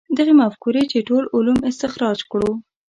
دغې مفکورې چې ټول علوم استخراج کړو.